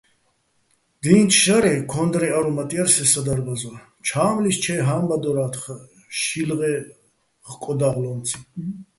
დი́ნჩო̆ შარე, ქო́ნდრეჼ არომატ ჲარ სე სადარბაზო, ჩა́მლიშ ჩაჲ ჰა́მბადორა́თხ შილღეჼ ხკოდა́ღლო́მციჼ.